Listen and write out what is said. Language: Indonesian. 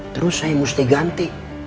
terus saya mesti ganti